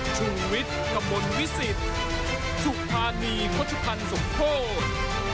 ชุวิตกระบวนวิสิทธิ์ถูกพาหนีเขาชุดพันธ์สมโทษ